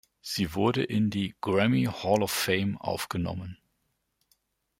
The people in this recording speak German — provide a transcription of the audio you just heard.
Sie wurde in die "Grammy Hall of Fame" aufgenommen.